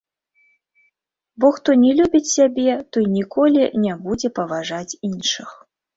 Бо хто не любіць сябе, той ніколі не будзе паважаць іншых.